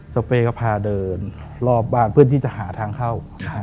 เป้ก็พาเดินรอบบ้านเพื่อที่จะหาทางเข้า